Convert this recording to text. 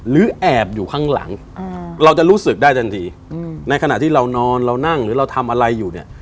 เราจะรู้สึกได้ทันทีในขณะที่เรานอนเรานั่งหรือเราทำอะไรอยู่เนี่ย